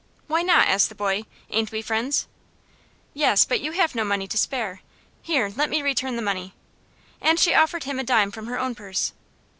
"Why not?" asked the boy. "Ain't we friends?" "Yes, but you have no money to spare. Here, let me return the money." And she offered him a dime from her own purse.